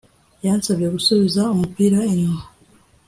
yansabye gusubiza umupira inyuma